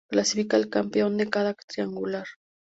Clasifica el campeón de cada triangular.